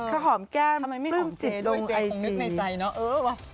เขาหอมแก้มปื้มจิตลงไอจีทำไมไม่หอมเจ๊ด้วยเจ๊คงนึกในใจเนอะเออว่ะ